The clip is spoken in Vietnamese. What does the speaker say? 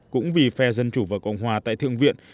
cũng vì phe dân chủ và cộng hòa tại thượng viện